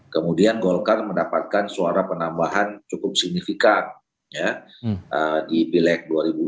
kemudian golkar mendapatkan suara penambahan cukup signifikan di pileg dua ribu dua puluh